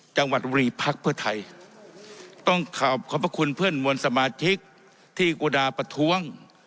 จังหวัดบุรีพักเพื่อไทยต้องขอขอบพระคุณเพื่อนมวลสมาชิกที่กุดาประท้วง